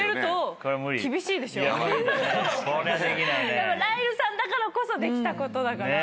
でもライルさんだからこそできたことだから。